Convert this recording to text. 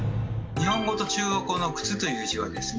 日本語と中国語の「靴」という字はですね